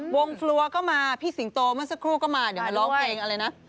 วงฟลัวก็มาพี่สิงโตเมื่อสักครู่ก็มาเดี๋ยวมาร้องเพลงอะไรนะ